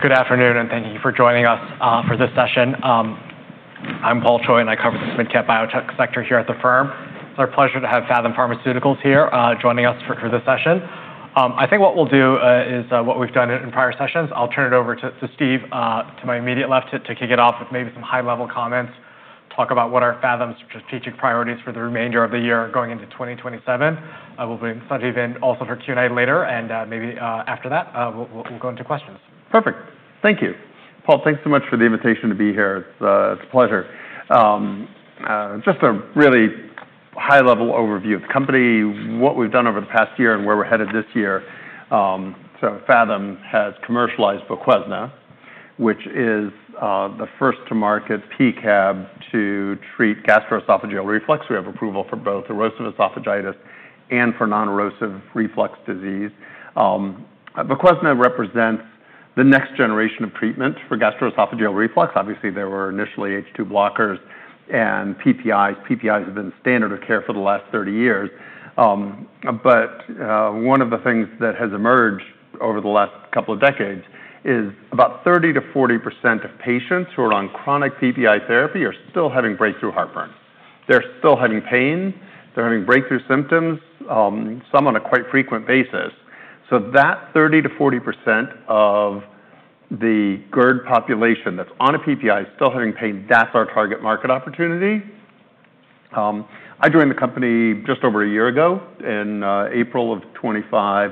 Good afternoon, thank you for joining us for this session. I'm Paul Choi, I cover the SMID-Cap Biotech sector here at the firm. It's our pleasure to have Phathom Pharmaceuticals here joining us for this session. I think what we'll do is what we've done in prior sessions. I'll turn it over to Steve to my immediate left to kick it off with maybe some high-level comments, talk about what are Phathom's strategic priorities for the remainder of the year going into 2027. We'll bring Sanjeev in also for Q&A later, maybe after that, we'll go into questions. Perfect. Thank you. Paul, thanks so much for the invitation to be here. It's a pleasure. Just a really high-level overview of the company, what we've done over the past year and where we're headed this year. Phathom has commercialized VOQUEZNA, which is the first-to-market PCAB to treat gastroesophageal reflux. We have approval for both erosive esophagitis and for non-erosive reflux disease. VOQUEZNA represents the next generation of treatment for gastroesophageal reflux. Obviously, there were initially H2 blockers and PPIs. PPIs have been standard of care for the last 30 years. One of the things that has emerged over the last couple of decades is about 30%-40% of patients who are on chronic PPI therapy are still having breakthrough heartburn. They're still having pain, they're having breakthrough symptoms, some on a quite frequent basis. That 30%-40% of the GERD population that's on a PPI still having pain, that's our target market opportunity. I joined the company just over a year ago in April of 2025.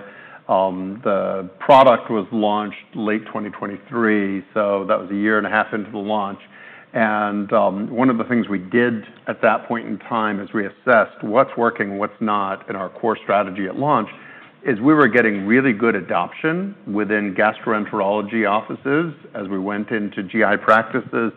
The product was launched late 2023, that was a year and a half into the launch. One of the things we did at that point in time, as we assessed what's working, what's not in our core strategy at launch, is we were getting really good adoption within gastroenterology offices as we went into GI practices,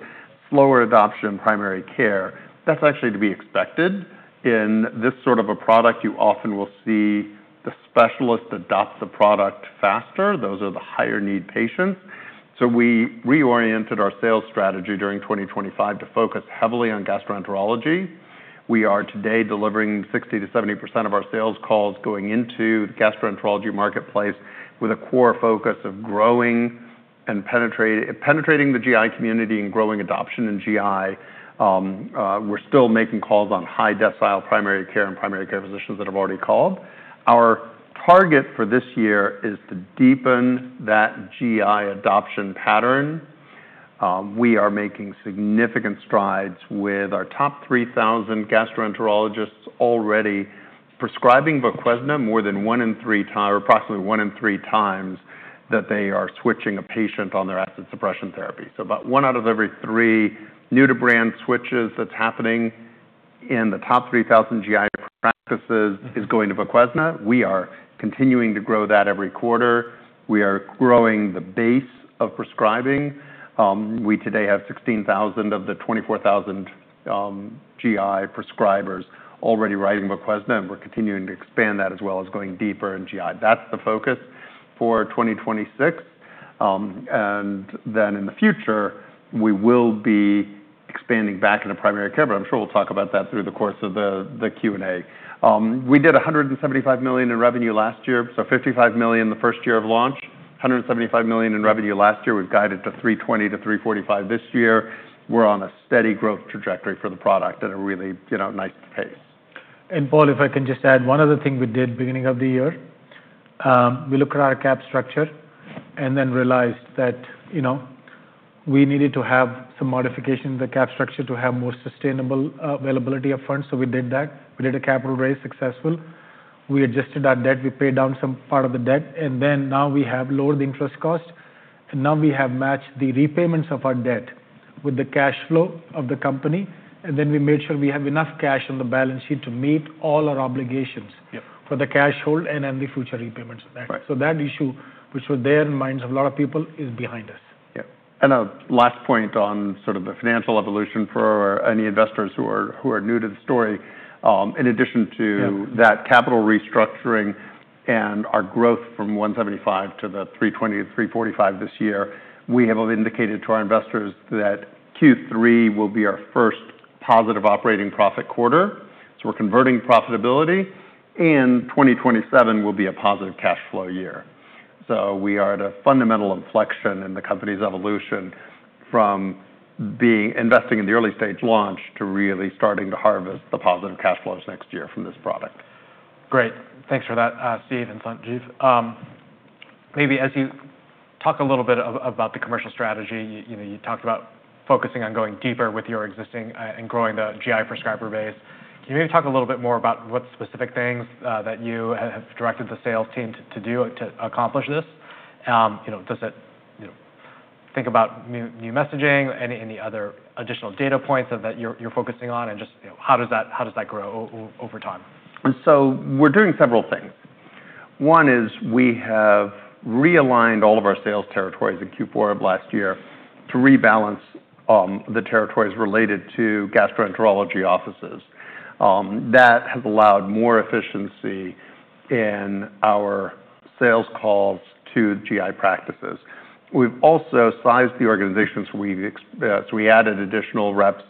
slower adoption primary care. That's actually to be expected. In this sort of a product, you often will see the specialist adopt the product faster. Those are the higher-need patients. We reoriented our sales strategy during 2025 to focus heavily on gastroenterology. We are today delivering 60%-70% of our sales calls going into the gastroenterology marketplace with a core focus of penetrating the GI community and growing adoption in GI. We're still making calls on high decile primary care and primary care physicians that I've already called. Our target for this year is to deepen that GI adoption pattern. We are making significant strides with our top 3,000 gastroenterologists already prescribing VOQUEZNA more than one in three times, or approximately one in three times that they are switching a patient on their acid suppression therapy. About one out of every three new-to-brand switches that's happening in the top 3,000 GI practices is going to VOQUEZNA. We are continuing to grow that every quarter. We are growing the base of prescribing. We today have 16,000 of the 24,000 GI prescribers already writing VOQUEZNA, we're continuing to expand that as well as going deeper in GI. That's the focus for 2026. In the future, we will be expanding back into primary care, but I'm sure we'll talk about that through the course of the Q&A. We did $175 million in revenue last year, $55 million the first year of launch, $175 million in revenue last year. We've guided to $320 million-$345 million this year. We're on a steady growth trajectory for the product at a really nice pace. Paul, if I can just add one other thing we did beginning of the year. We looked at our cap structure, realized that we needed to have some modification in the cap structure to have more sustainable availability of funds, we did that. We did a capital raise successful. We adjusted our debt, we paid down some part of the debt, now we have lowered the interest cost. Now we have matched the repayments of our debt with the cash flow of the company, we made sure we have enough cash on the balance sheet to meet all our obligations. Yeah. For the cash hold and the future repayments of that. Right. That issue, which was there in minds of a lot of people, is behind us. Yeah. A last point on sort of the financial evolution for any investors who are new to the story. In addition to- Yeah.... that capital restructuring and our growth from $175 million to the $320 million-$345 million this year, we have indicated to our investors that Q3 will be our first positive operating profit quarter. We're converting profitability, and 2027 will be a positive cash flow year. We are at a fundamental inflection in the company's evolution from investing in the early-stage launch to really starting to harvest the positive cash flows next year from this product. Great. Thanks for that, Steve and Sanjeev. Maybe as you talk a little bit about the commercial strategy, you talked about focusing on going deeper with your existing and growing the GI prescriber base. Can you maybe talk a little bit more about what specific things that you have directed the sales team to do to accomplish this? Think about new messaging, any other additional data points that you're focusing on, and just how does that grow over time? We're doing several things. One is we have realigned all of our sales territories in Q4 of last year to rebalance the territories related to gastroenterology offices. That has allowed more efficiency in our sales calls to GI practices. We've also sized the organizations. We added additional reps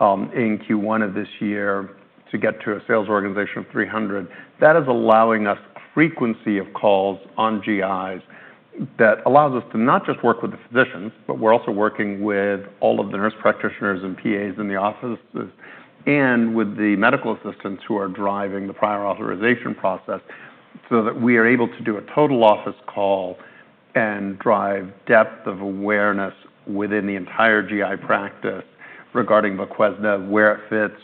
in Q1 of this year to get to a sales organization of 300. That is allowing us frequency of calls on GIs that allows us to not just work with the physicians, but we're also working with all of the nurse practitioners and PAs in the offices, and with the medical assistants who are driving the prior authorization process so that we are able to do a total office call and drive depth of awareness within the entire GI practice regarding VOQUEZNA, where it fits,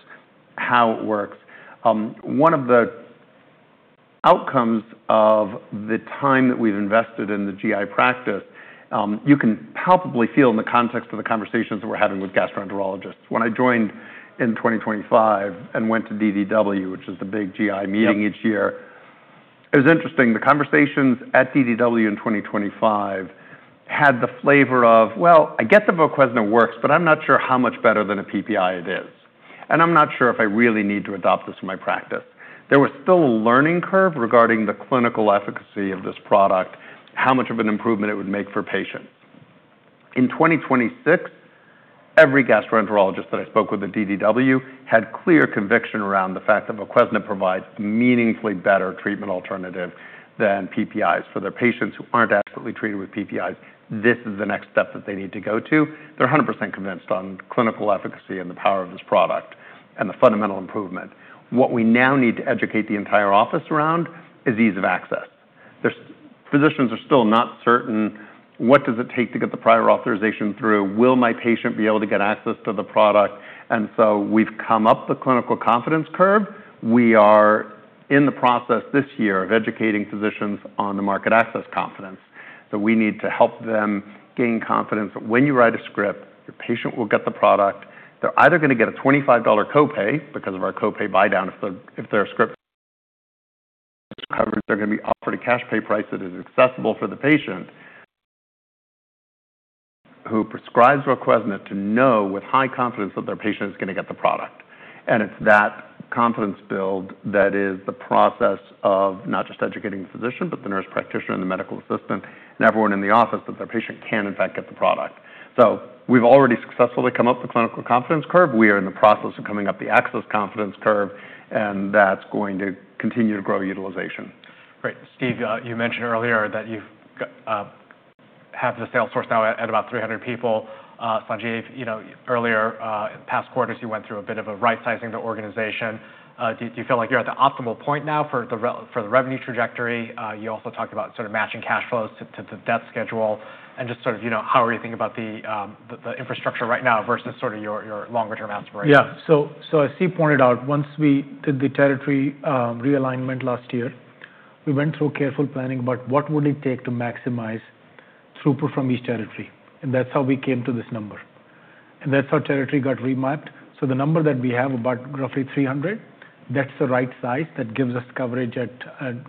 how it works. One of the outcomes of the time that we've invested in the GI practice, you can palpably feel in the context of the conversations that we're having with gastroenterologists. When I joined in 2025 and went to DDW, which is the big GI meeting each year. Yep. It was interesting. The conversations at DDW in 2025 had the flavor of, "Well, I get that VOQUEZNA works, but I'm not sure how much better than a PPI it is. I'm not sure if I really need to adopt this in my practice." There was still a learning curve regarding the clinical efficacy of this product, how much of an improvement it would make for patients. In 2026, every gastroenterologist that I spoke with at DDW had clear conviction around the fact that VOQUEZNA provides meaningfully better treatment alternative than PPIs for their patients who aren't adequately treated with PPIs. This is the next step that they need to go to. They're 100% convinced on clinical efficacy and the power of this product and the fundamental improvement. What we now need to educate the entire office around is ease of access. Physicians are still not certain what does it take to get the prior authorization through. Will my patient be able to get access to the product? We've come up the clinical confidence curve. We are in the process this year of educating physicians on the market access confidence that we need to help them gain confidence that when you write a script, your patient will get the product. They're either going to get a $25 copay because of our copay buydown if they're a script coverage, they're going to be offered a cash pay price that is accessible for the patient who prescribes VOQUEZNA to know with high confidence that their patient is going to get the product. It's that confidence build that is the process of not just educating the physician, but the nurse practitioner and the medical assistant and everyone in the office that their patient can in fact get the product. We've already successfully come up the clinical confidence curve. We are in the process of coming up the access confidence curve, that's going to continue to grow utilization. Great. Steve, you mentioned earlier that you have the sales force now at about 300 people. Sanjeev, earlier, past quarters, you went through a bit of a right-sizing the organization. Do you feel like you're at the optimal point now for the revenue trajectory? You also talked about sort of matching cash flows to debt schedule and just sort of how are you thinking about the infrastructure right now versus sort of your longer-term aspirations? Yeah. As Steve pointed out, once we did the territory realignment last year, we went through careful planning about what would it take to maximize throughput from each territory, and that's how we came to this number, and that's how territory got remapped. The number that we have, about roughly 300, that's the right size that gives us coverage at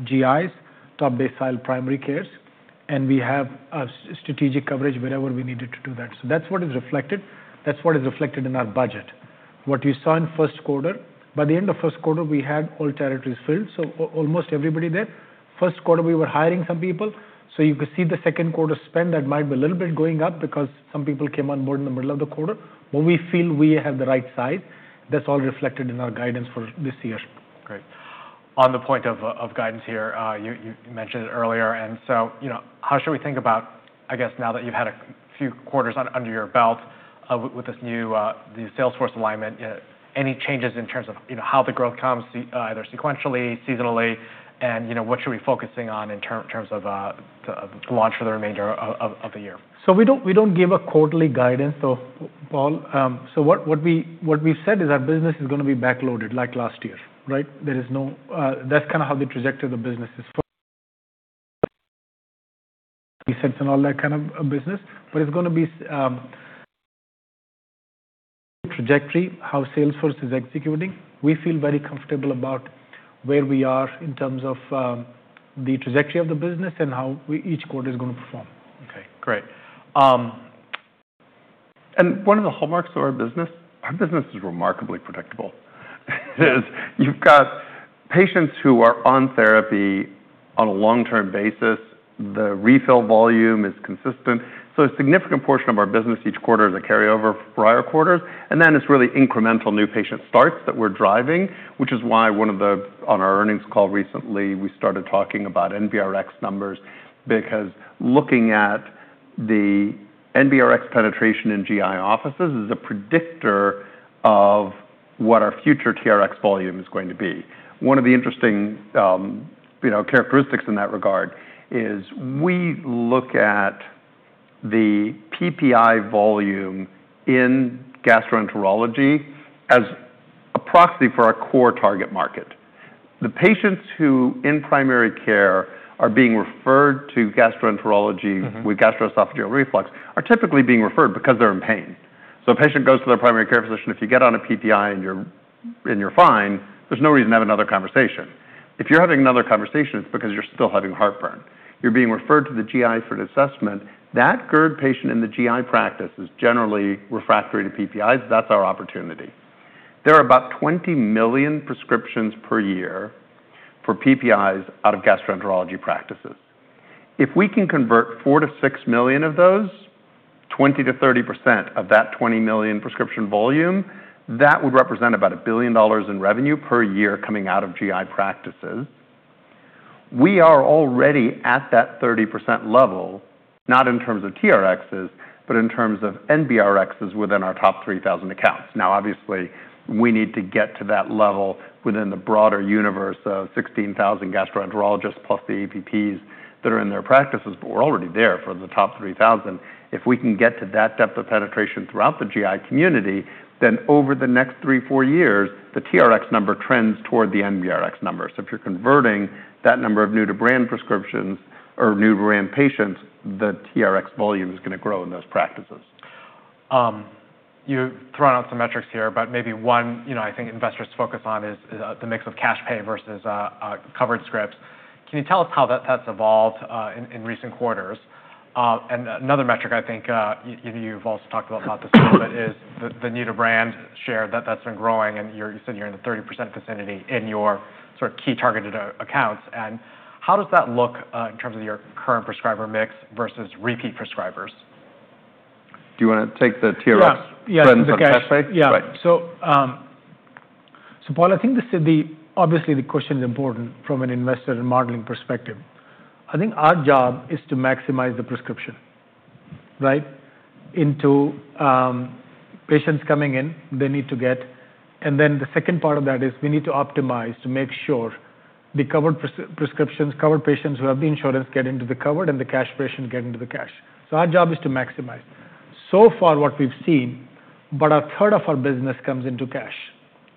GIs, top baseline primary cares, and we have a strategic coverage wherever we needed to do that. That's what is reflected in our budget. What you saw in first quarter, by the end of first quarter, we had all territories filled, so almost everybody there. First quarter, we were hiring some people, so you could see the second quarter spend that might be a little bit going up because some people came on board in the middle of the quarter. We feel we have the right size. That's all reflected in our guidance for this year. Great. On the point of guidance here, you mentioned it earlier, how should we think about, I guess, now that you've had a few quarters under your belt with this new sales force alignment, any changes in terms of how the growth comes, either sequentially, seasonally, and what should we be focusing on in terms of launch for the remainder of the year? We don't give a quarterly guidance, Paul, what we've said is our business is going to be backloaded like last year, right? That's kind of how the trajectory of the business is and all that kind of business, but it's going to be trajectory, how sales force is executing. We feel very comfortable about where we are in terms of the trajectory of the business and how each quarter is going to perform. Okay, great. One of the hallmarks of our business, our business is remarkably predictable, is you've got patients who are on therapy on a long-term basis. The refill volume is consistent, a significant portion of our business each quarter is a carryover for prior quarters, it's really incremental new patient starts that we're driving, which is why one of the-- On our earnings call recently, we started talking about NBRx numbers because looking at the NBRx penetration in GI offices is a predictor of what our future TRx volume is going to be. One of the interesting characteristics in that regard is we look at the PPI volume in gastroenterology as a proxy for our core target market. The patients who in primary care are being referred to gastroenterology with gastroesophageal reflux are typically being referred because they're in pain. A patient goes to their primary care physician. If you get on a PPI and you're fine, there's no reason to have another conversation. If you're having another conversation, it's because you're still having heartburn. You're being referred to the GI for an assessment. That GERD patient in the GI practice is generally refractory to PPIs. That's our opportunity. There are about 20 million prescriptions per year for PPIs out of gastroenterology practices. If we can convert four million to six million of those, 20%-30% of that 20 million prescription volume, that would represent about $1 billion in revenue per year coming out of GI practices. We are already at that 30% level, not in terms of TRx, but in terms of NBRx within our top 3,000 accounts. Obviously, we need to get to that level within the broader universe of 16,000 gastroenterologists, plus the APPs that are in their practices. But we're already there for the top 3,000. If we can get to that depth of penetration throughout the GI community, then over the next three, four years, the TRx number trends toward the NBRX number. If you're converting that number of new to brand prescriptions or new to brand patients, the TRx volume is going to grow in those practices. You're throwing out some metrics here, maybe one I think investors focus on is the mix of cash pay versus covered scripts. Can you tell us how that has evolved in recent quarters? Another metric I think you've also talked about this a little bit is the new to brand share that's been growing, and you said you're in the 30% vicinity in your key targeted accounts. How does that look in terms of your current prescriber mix versus repeat prescribers? Do you want to take the TRx- Yeah.... trends on cash pay? Yeah. Great. Paul, I think obviously the question is important from an investor and modeling perspective. I think our job is to maximize the prescription, right, into patients coming in, they need to get. The second part of that is we need to optimize to make sure the covered prescriptions, covered patients who have the insurance get into the covered and the cash patients get into the cash. Our job is to maximize. So far what we've seen, about a third of our business comes into cash,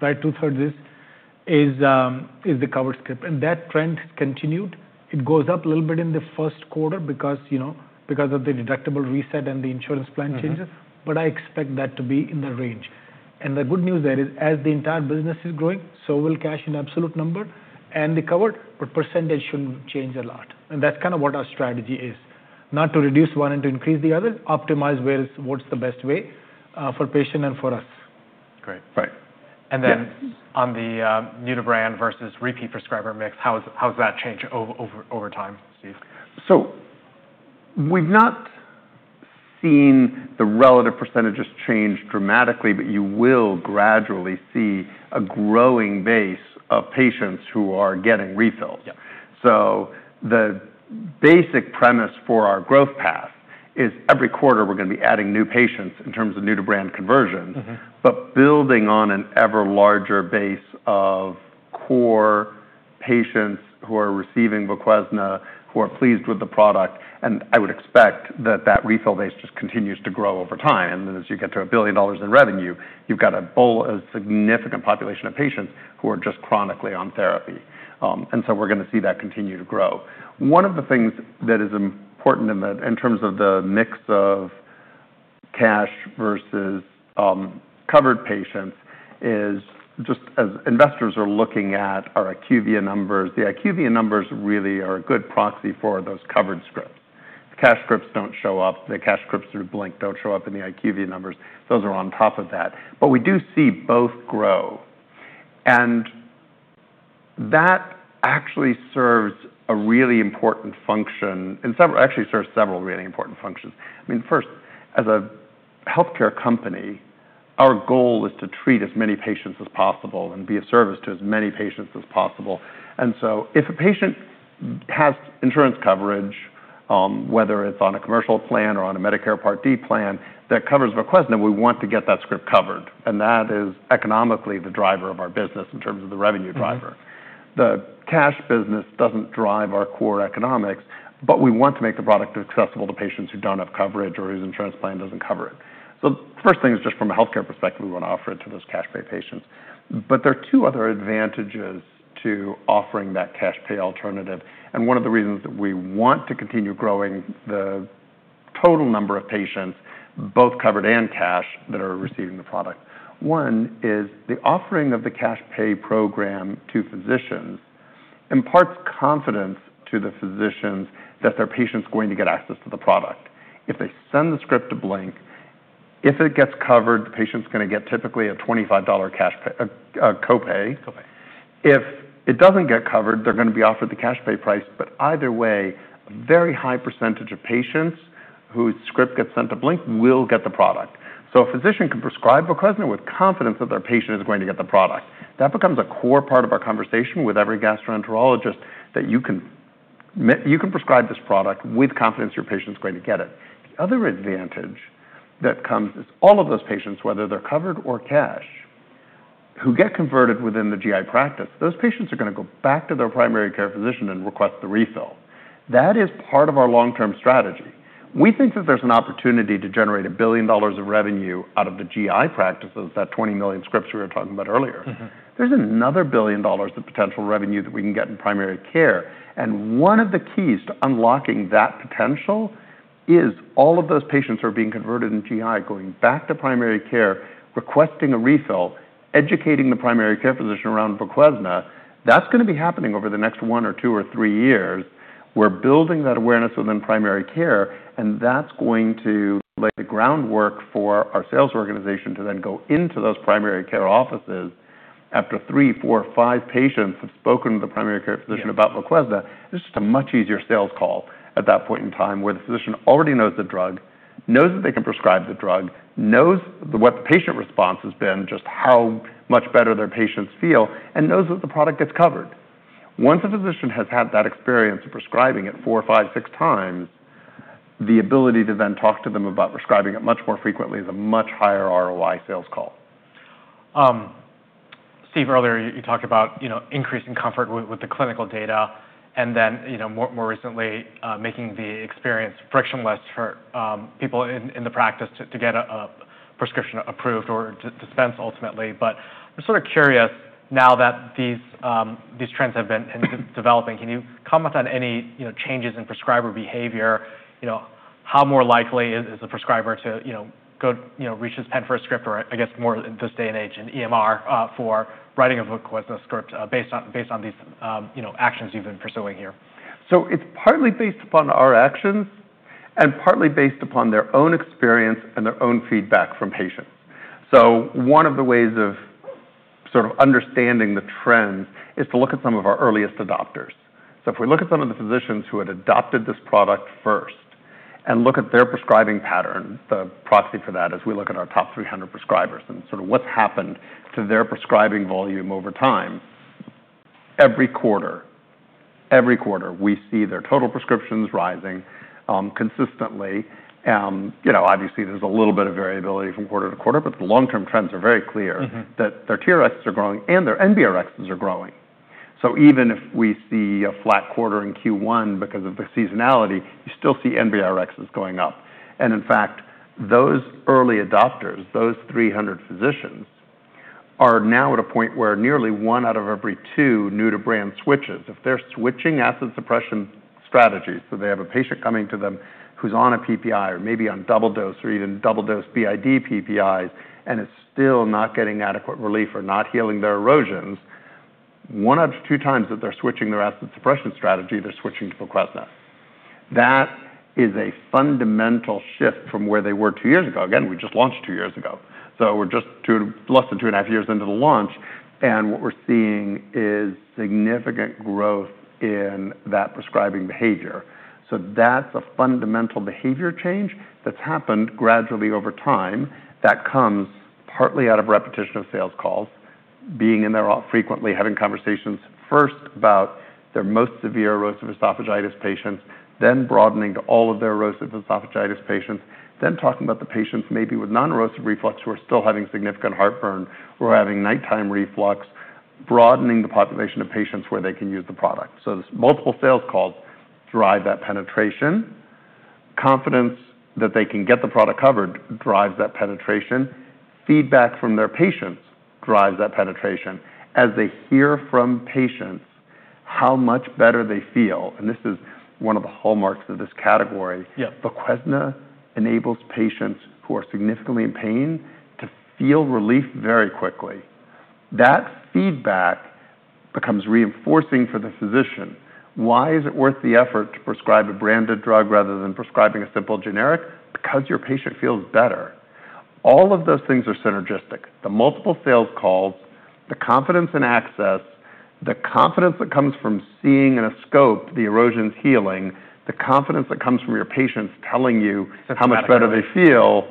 right? Two-thirds is the covered script. That trend continued. It goes up a little bit in the first quarter because of the deductible reset and the insurance plan changes. I expect that to be in the range. The good news there is as the entire business is growing, so will cash in absolute number and the covered, but percentage shouldn't change a lot. That's kind of what our strategy is. Not to reduce one and to increase the other. Optimize what's the best way for patient and for us. Great. Right. Yeah. On the new to brand versus repeat prescriber mix, how has that changed over time, Steve? We've not seen the relative percentages change dramatically, but you will gradually see a growing base of patients who are getting refills. Yeah. The basic premise for our growth path is every quarter we're going to be adding new patients in terms of new to brand conversions. Building on an ever larger base of core patients who are receiving VOQUEZNA, who are pleased with the product, I would expect that refill base just continues to grow over time. Then as you get to a billion dollar in revenue, you've got a significant population of patients who are just chronically on therapy. We're going to see that continue to grow. One of the things that is important in terms of the mix of cash versus covered patients is just as investors are looking at our IQVIA numbers, the IQVIA numbers really are a good proxy for those covered scripts. The cash scripts don't show up. The cash scripts through Blink don't show up in the IQVIA numbers. Those are on top of that. We do see both grow, that actually serves a really important function, actually serves several really important functions. First, as a healthcare company, our goal is to treat as many patients as possible and be of service to as many patients as possible. If a patient has insurance coverage, whether it's on a commercial plan or on a Medicare Part D plan that covers VOQUEZNA, we want to get that script covered. That is economically the driver of our business in terms of the revenue driver. The cash business doesn't drive our core economics, but we want to make the product accessible to patients who don't have coverage or whose insurance plan doesn't cover it. The first thing is just from a healthcare perspective, we want to offer it to those cash pay patients. There are two other advantages to offering that cash pay alternative, and one of the reasons that we want to continue growing the total number of patients, both covered and cash, that are receiving the product. One is the offering of the cash pay program to physicians imparts confidence to the physicians that their patient is going to get access to the product. If they send the script to Blink Health, if it gets covered, the patient is going to get typically a $25 cash copay. Copay. If it doesn't get covered, they're going to be offered the cash pay price. Either way, a very high percentage of patients whose script gets sent to Blink Health will get the product. A physician can prescribe VOQUEZNA with confidence that their patient is going to get the product. That becomes a core part of our conversation with every gastroenterologist that you can prescribe this product with confidence your patient is going to get it. The other advantage that comes is all of those patients, whether they're covered or cash, who get converted within the GI practice, those patients are going to go back to their primary care physician and request the refill. That is part of our long-term strategy. We think that there's an opportunity to generate $1 billion of revenue out of the GI practices, that 20 million scripts we were talking about earlier. There's another $1 billion of potential revenue that we can get in primary care. One of the keys to unlocking that potential is all of those patients who are being converted in GI, going back to primary care, requesting a refill, educating the primary care physician around VOQUEZNA. That's going to be happening over the next one or two or three years. We're building that awareness within primary care, and that's going to lay the groundwork for our sales organization to then go into those primary care offices after three, four or five patients have spoken to the primary care physician. Yeah. About VOQUEZNA, it's just a much easier sales call at that point in time where the physician already knows the drug, knows that they can prescribe the drug, knows what the patient response has been, just how much better their patients feel, and knows that the product gets covered. Once a physician has had that experience of prescribing it four, five, six times, the ability to then talk to them about prescribing it much more frequently is a much higher ROI sales call. Steve, earlier you talked about increasing comfort with the clinical data and then more recently, making the experience frictionless for people in the practice to get a prescription approved or to dispense ultimately. I'm sort of curious, now that these trends have been developing, can you comment on any changes in prescriber behavior? How more likely is the prescriber to reach his pen for a script or I guess more in this day and age, an EMR, for writing a VOQUEZNA script based on these actions you've been pursuing here? It's partly based upon our actions and partly based upon their own experience and their own feedback from patients. One of the ways of sort of understanding the trends is to look at some of our earliest adopters. If we look at some of the physicians who had adopted this product first and look at their prescribing pattern, the proxy for that is we look at our top 300 prescribers and sort of what's happened to their prescribing volume over time. Every quarter, we see their total prescriptions rising consistently. Obviously, there's a little bit of variability from quarter-to-quarter, but the long-term trends are very clear. That their TRxs are growing and their NBRxs are growing. Even if we see a flat quarter in Q1 because of the seasonality, you still see NBRxs going up. In fact, those early adopters, those 300 physicians, are now at a point where nearly one out of every two new-to-brand switches. If they're switching acid suppression strategies, so they have a patient coming to them who's on a PPI or maybe on double dose or even double dose BID PPIs, and is still not getting adequate relief or not healing their erosions, one out of two times that they're switching their acid suppression strategy, they're switching to VOQUEZNA. That is a fundamental shift from where they were two years ago. Again, we just launched two years ago, we're just less than two and a half years into the launch, and what we're seeing is significant growth in that prescribing behavior. That's a fundamental behavior change that's happened gradually over time, that comes partly out of repetition of sales calls, being in there frequently, having conversations, first about their most severe erosive esophagitis patients, then broadening to all of their erosive esophagitis patients, then talking about the patients maybe with non-erosive reflux who are still having significant heartburn or having nighttime reflux, broadening the population of patients where they can use the product. It's multiple sales calls drive that penetration. Confidence that they can get the product covered drives that penetration. Feedback from their patients drives that penetration. As they hear from patients how much better they feel, this is one of the hallmarks of this category. Yeah. VOQUEZNA enables patients who are significantly in pain to feel relief very quickly. That feedback becomes reinforcing for the physician. Why is it worth the effort to prescribe a branded drug rather than prescribing a simple generic? Because your patient feels better. All of those things are synergistic. The multiple sales calls, the confidence in access, the confidence that comes from seeing in a scope the erosions healing, the confidence that comes from your patients telling you. That's fabulous. how much better they feel.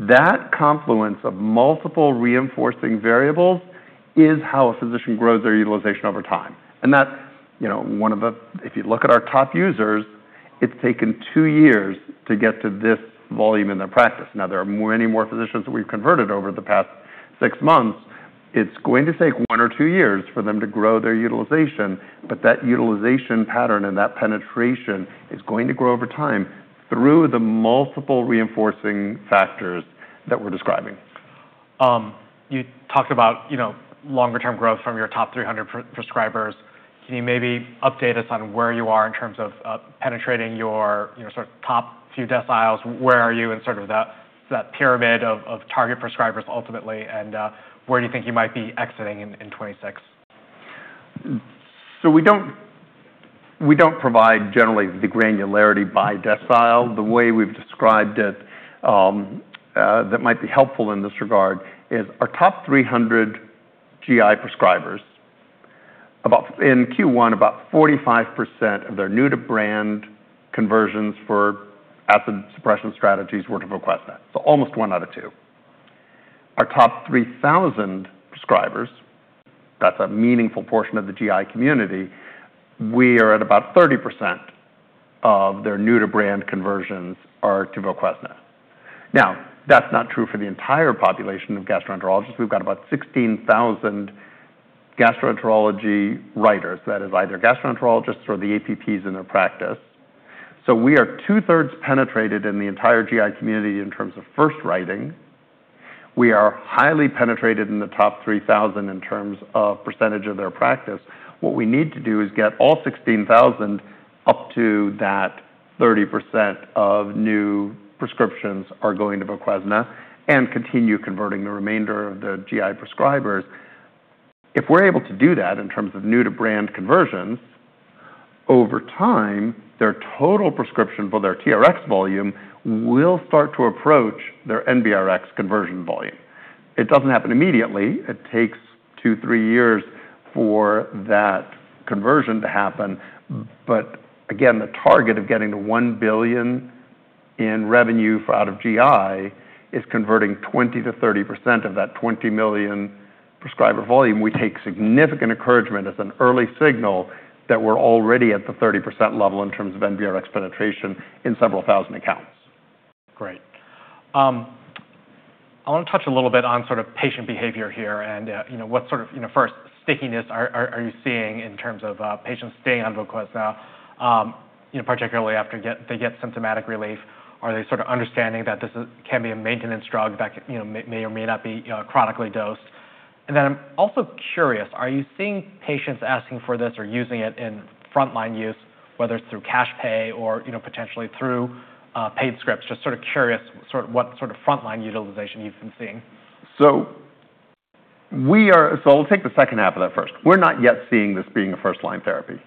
That confluence of multiple reinforcing variables is how a physician grows their utilization over time. That's one of the. If you look at our top users, it's taken two years to get to this volume in their practice. Now, there are many more physicians that we've converted over the past six months. It's going to take one or two years for them to grow their utilization, but that utilization pattern and that penetration is going to grow over time through the multiple reinforcing factors that we're describing. You talked about longer-term growth from your top 300 prescribers. Can you maybe update us on where you are in terms of penetrating your top few deciles? Where are you in sort of that pyramid of target prescribers ultimately, and where do you think you might be exiting in 2026? We don't provide generally the granularity by decile. The way we've described it that might be helpful in this regard is our top 300 GI prescribers. In Q1, about 45% of their new-to-brand conversions for acid suppression strategies were to VOQUEZNA. Almost one out of two. Our top 3,000 prescribers, that's a meaningful portion of the GI community, we are at about 30% of their new-to-brand conversions are to VOQUEZNA. That's not true for the entire population of gastroenterologists. We've got about 16,000 gastroenterology writers that is either gastroenterologists or the APPs in their practice. We are two-thirds penetrated in the entire GI community in terms of first writing. We are highly penetrated in the top 3,000 in terms of percentage of their practice. What we need to do is get all 16,000 up to that 30% of new prescriptions are going to VOQUEZNA and continue converting the remainder of the GI prescribers. If we're able to do that in terms of new-to-brand conversions. Over time, their total prescription for their TRx volume will start to approach their NBRX conversion volume. It doesn't happen immediately. It takes two, three years for that conversion to happen. Again, the target of getting to $1 billion in revenue out of GI is converting 20%-30% of that 20 million prescriber volume. We take significant encouragement as an early signal that we're already at the 30% level in terms of NBRX penetration in several thousand accounts. Great. I want to touch a little bit on patient behavior here and what sort of first stickiness are you seeing in terms of patients staying on VOQUEZNA, particularly after they get symptomatic relief? Are they understanding that this can be a maintenance drug that may or may not be chronically dosed? I'm also curious, are you seeing patients asking for this or using it in frontline use, whether it's through cash pay or potentially through paid scripts? Just curious what sort of frontline utilization you've been seeing. I'll take the second half of that first. We're not yet seeing this being a first-line therapy.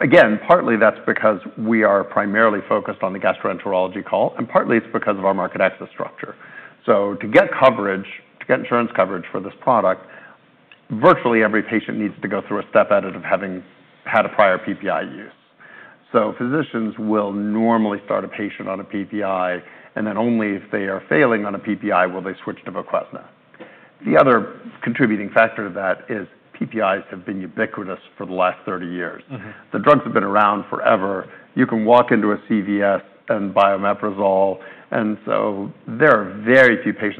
Again, partly that's because we are primarily focused on the gastroenterology call, and partly it's because of our market access structure. To get insurance coverage for this product, virtually every patient needs to go through a step edit of having had a prior PPI use. Physicians will normally start a patient on a PPI, and then only if they are failing on a PPI, will they switch to VOQUEZNA. The other contributing factor to that is PPIs have been ubiquitous for the last 30 years. The drugs have been around forever. You can walk into a CVS and buy omeprazole.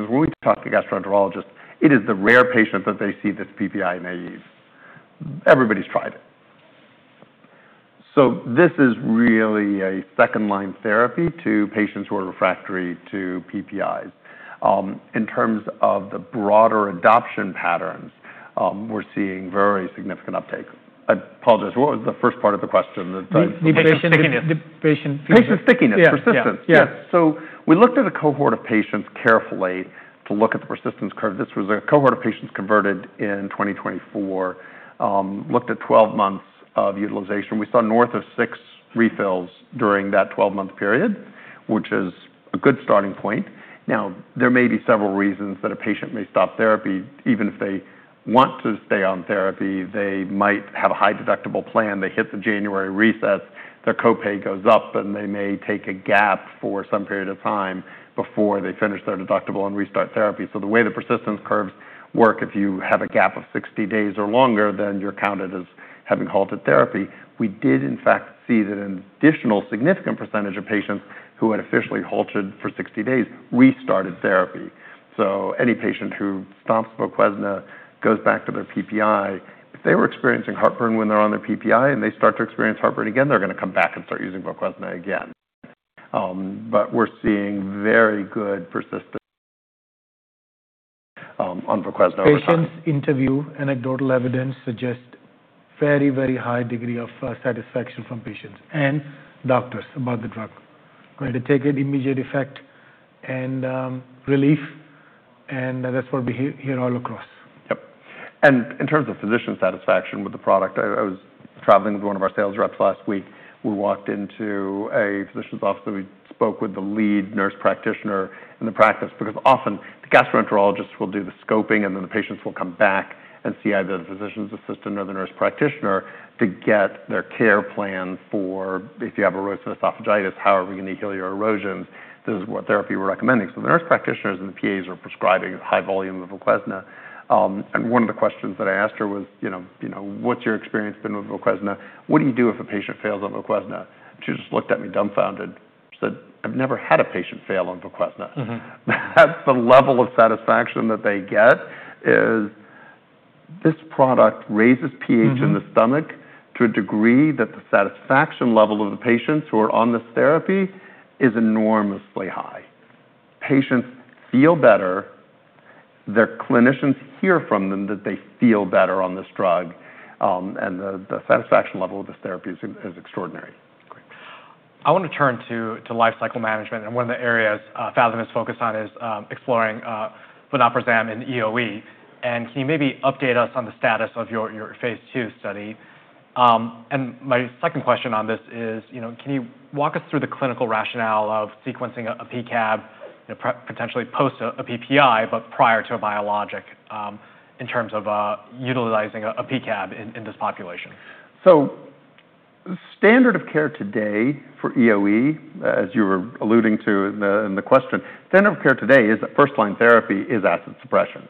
When we talk to gastroenterologists, it is the rare patient that they see that's PPI naive. Everybody's tried it. This is really a second-line therapy to patients who are refractory to PPIs. In terms of the broader adoption patterns, we're seeing very significant uptake. I apologize. What was the first part of the question? Patient stickiness. The patient- Patient stickiness. Yeah. Persistence. Yeah. We looked at a cohort of patients carefully to look at the persistence curve. This was a cohort of patients converted in 2024. Looked at 12 months of utilization. We saw north of six refills during that 12-month period, which is a good starting point. There may be several reasons that a patient may stop therapy. Even if they want to stay on therapy, they might have a high deductible plan. They hit the January reset, their copay goes up, and they may take a gap for some period of time before they finish their deductible and restart therapy. The way the persistence curves work, if you have a gap of 60 days or longer, then you're counted as having halted therapy. We did in fact see that an additional significant percentage of patients who had officially halted for 60 days restarted therapy. Any patient who stops VOQUEZNA goes back to their PPI. If they were experiencing heartburn when they're on their PPI and they start to experience heartburn again, they're going to come back and start using VOQUEZNA again. We're seeing very good persistence on VOQUEZNA over time. Patient interviews, anecdotal evidence suggests very high degree of satisfaction from patients and doctors about the drug. Going to take it, immediate effect, and relief. That's what we hear all across. Yep. In terms of physician satisfaction with the product, I was traveling with one of our sales reps last week. We walked into a physician's office, and we spoke with the lead nurse practitioner in the practice, because often the gastroenterologist will do the scoping, and then the patients will come back and see either the physician's assistant or the nurse practitioner to get their care plan for if you have erosive esophagitis, how are we going to heal your erosions? This is what therapy we're recommending. The nurse practitioners and the PAs are prescribing high volume of VOQUEZNA, and one of the questions that I asked her was, "What's your experience been with VOQUEZNA? What do you do if a patient fails on VOQUEZNA?" She just looked at me dumbfounded, she said, "I've never had a patient fail on VOQUEZNA. That's the level of satisfaction that they get is this product raises pH in the stomach to a degree that the satisfaction level of the patients who are on this therapy is enormously high. Patients feel better. Their clinicians hear from them that they feel better on this drug, and the satisfaction level of this therapy is extraordinary. Great. I want to turn to lifecycle management, and one of the areas Phathom is focused on is exploring vonoprazan in EoE, and can you maybe update us on the status of your phase II study? My second question on this is, can you walk us through the clinical rationale of sequencing a PCAB, potentially post a PPI, but prior to a biologic, in terms of utilizing a PCAB in this population? Standard of care today for EoE, as you were alluding to in the question, standard of care today is that first-line therapy is acid suppression.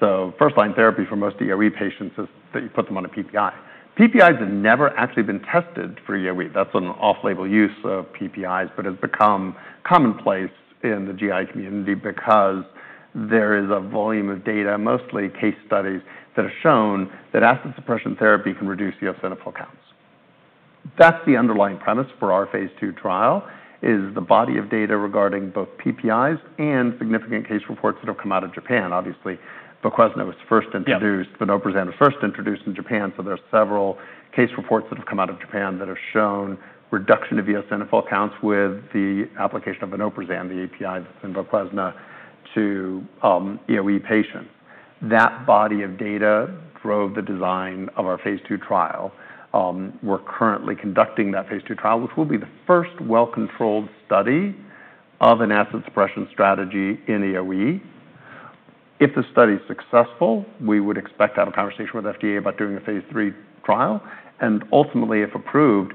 First-line therapy for most EoE patients is that you put them on a PPI. PPIs have never actually been tested for EoE. That's an off-label use of PPIs, but has become commonplace in the GI community because there is a volume of data, mostly case studies, that have shown that acid suppression therapy can reduce eosinophil counts. That's the underlying premise for our phase II trial, is the body of data regarding both PPIs and significant case reports that have come out of Japan. Obviously, VOQUEZNA was first introduced- Yeah.... vonoprazan was first introduced in Japan, there are several case reports that have come out of Japan that have shown reduction of eosinophil counts with the application of vonoprazan, the API that's in VOQUEZNA, to EoE patients. That body of data drove the design of our phase II trial. We're currently conducting that phase II trial, which will be the first well-controlled study of an acid suppression strategy in EoE. If the study is successful, we would expect to have a conversation with FDA about doing a phase III trial, and ultimately, if approved,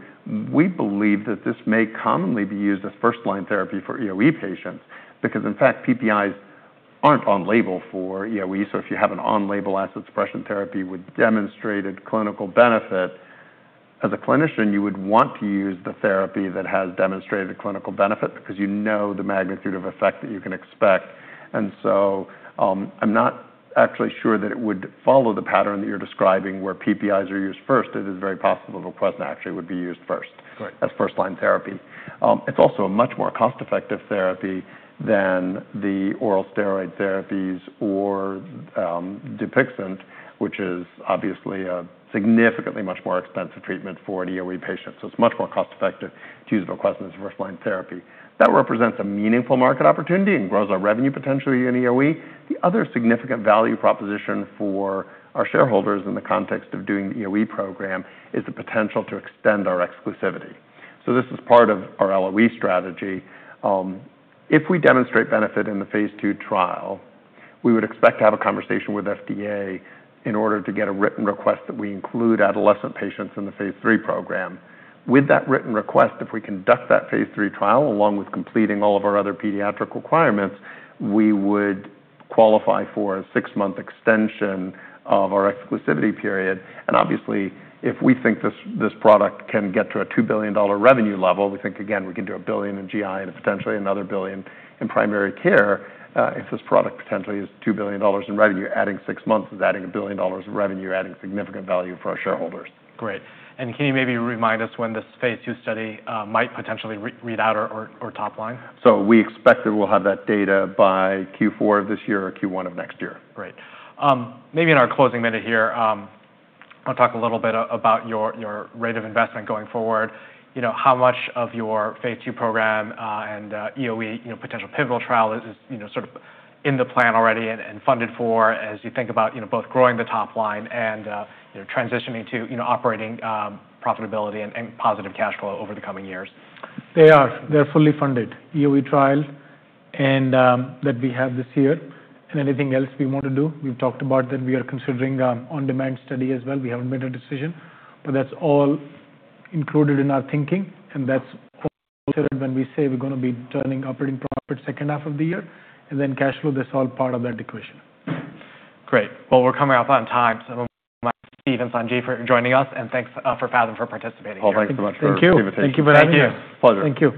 we believe that this may commonly be used as first-line therapy for EoE patients because, in fact, PPIs aren't on-label for EoE. If you have an on-label acid suppression therapy with demonstrated clinical benefit, as a clinician, you would want to use the therapy that has demonstrated a clinical benefit because you know the magnitude of effect that you can expect. I'm not actually sure that it would follow the pattern that you're describing where PPIs are used first. It is very possible VOQUEZNA actually would be used first- Great. as first-line therapy. It's also a much more cost-effective therapy than the oral steroid therapies or DUPIXENT, which is obviously a significantly much more expensive treatment for an EoE patient. It's much more cost-effective to use VOQUEZNA as a first-line therapy. That represents a meaningful market opportunity and grows our revenue potential in EoE. The other significant value proposition for our shareholders in the context of doing the EoE program is the potential to extend our exclusivity. This is part of our EoE strategy. If we demonstrate benefit in the phase II trial, we would expect to have a conversation with FDA in order to get a Written Request that we include adolescent patients in the phase III program. With that Written Request, if we conduct that phase III trial, along with completing all of our other pediatric requirements, we would qualify for a six-month extension of our exclusivity period. Obviously, if we think this product can get to a $2 billion revenue level, we think again, we can do a billion in GI and potentially another billion in primary care. If this product potentially is $2 billion in revenue, adding six months is adding a billion dollars in revenue, adding significant value for our shareholders. Great. Can you maybe remind us when this phase II study might potentially read out or top line? We expect that we'll have that data by Q4 of this year or Q1 of next year. Great. Maybe in our closing minute here, I'll talk a little bit about your rate of investment going forward. How much of your phase II program and EoE potential pivotal trial is sort of in the plan already and funded for as you think about both growing the top line and transitioning to operating profitability and positive cash flow over the coming years? They are fully funded. EoE trial that we have this year and anything else we want to do, we've talked about that we are considering on-demand study as well. We haven't made a decision, but that's all included in our thinking and that's when we say we're going to be turning operating profit second half of the year, and then cash flow, that's all part of that equation. Great. Well, we're coming up on time, I want to thank Steve and Sanjeev for joining us and thanks for Phathom for participating. Oh, thanks so much for the invitation. Thank you. Thank you very much. Pleasure. Thank you.